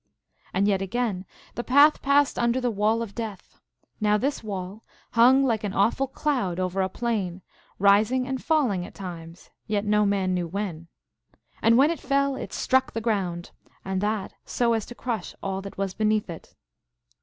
And yet again the path passed under the Wall of Death. Now this wall hung like an awful cloud over a plain, rising and falling at times, yet no man knew when. And when it fell it struck the ground, and that so as to crush all that was beneath it.